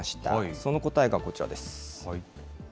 その答えがこちらです。